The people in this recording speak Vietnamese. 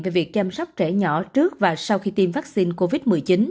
về việc chăm sóc trẻ nhỏ trước và sau khi tiêm vaccine covid một mươi chín